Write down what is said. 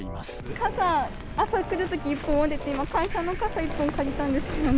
傘、朝来るとき壊れて、今、会社の傘、一本借りたんですよ。